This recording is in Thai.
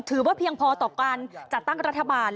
เพียงพอต่อการจัดตั้งรัฐบาล